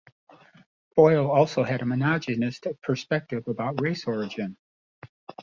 Boyle also had a monogenist perspective about race origin.